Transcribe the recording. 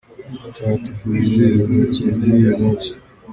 Abatagatifu bizihizwa na Kiliziya uyu munsi:.